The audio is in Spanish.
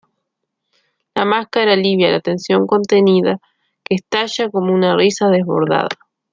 La máscara alivia la tensión contenida, que estalla como una risa desbordada".